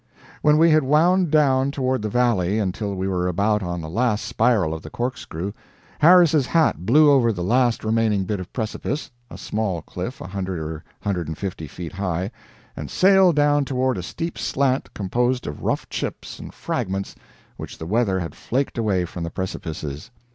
When we had wound down toward the valley until we were about on the last spiral of the corkscrew, Harris's hat blew over the last remaining bit of precipice a small cliff a hundred or hundred and fifty feet high and sailed down toward a steep slant composed of rough chips and fragments which the weather had flaked away from the precipices.